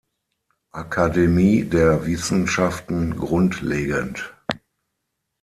Akademie der Wissenschaften grundlegend.